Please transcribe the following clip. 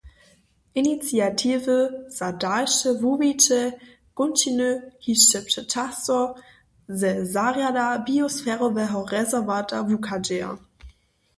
Iniciatiwy za dalše wuwiće kónčiny hišće přečasto ze zarjada biosferoweho rezerwata wuchadźeja.